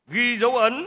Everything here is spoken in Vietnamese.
ghi dấu ấn